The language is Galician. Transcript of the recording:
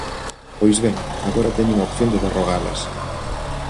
Pois ben, agora teñen a opción de derrogalas.